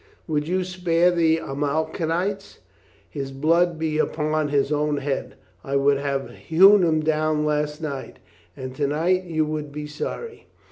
Would you spare the Amalekites? His blood be upon his own head ! I would have hewn him down last night" "And to night you would be sorry."